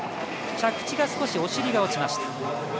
着地が少し、お尻が落ちました。